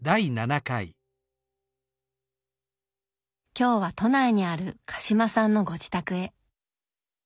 今日は都内にある鹿島さんのご自宅へ。